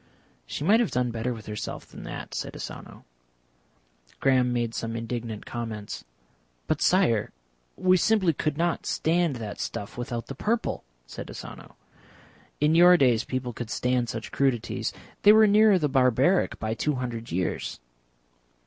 "She might have done better with herself than that," said Asano. Graham made some indignant comments. "But, Sire, we simply could not stand that stuff without the purple," said Asano. "In your days people could stand such crudities, they were nearer the barbaric by two hundred years."